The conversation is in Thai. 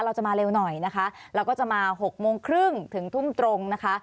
เราจะมาเร็วหน่อยนะคะแล้วก็จะมา๖โมงครึ่งถึงทุ่มตรงนะคะ